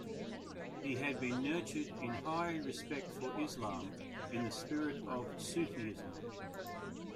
He had been nurtured in high respect for Islam in the spirit of Sufism.